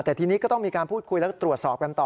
แต่ทีนี้ก็ต้องมีการพูดคุยและตรวจสอบกันต่อ